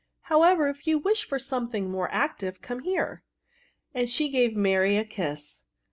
However, if you wish for something more active, come here;" and she gave Mary a kiss.